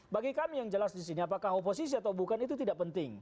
bagi kami yang jelas di sini apakah oposisi atau bukan itu tidak penting